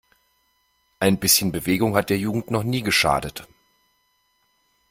Ein bisschen Bewegung hat der Jugend noch nie geschadet!